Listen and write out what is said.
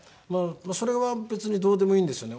それは別にどうでもいいんですよね。